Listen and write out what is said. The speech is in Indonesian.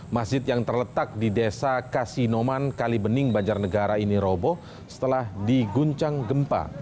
masjid yang terletak di desa kasinoman kalibening banjarnegara ini roboh setelah diguncang gempa